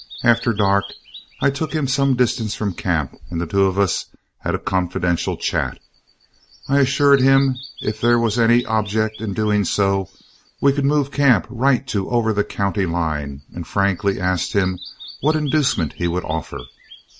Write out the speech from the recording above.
After dark, I took him some distance from camp, and the two of us had a confidential chat. I assured him if there was any object in doing so, we could move camp right to or over the county line, and frankly asked him what inducement he would offer.